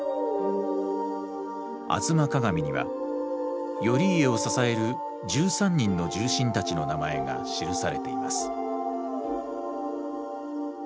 「吾妻鏡」には頼家を支える１３人の重臣たちの名前が記されています。